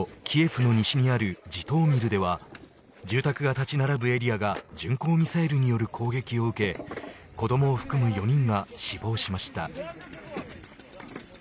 キエフの西にあるジトーミルでは住宅が立ち並ぶエリアが巡航ミサイルによる攻撃を受け子どもを含む４人が死亡しました。